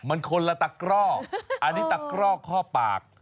มันคนละตะกร่ออันนี้ตะกร่อข้อปาก